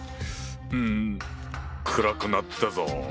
うん暗くなったぞ。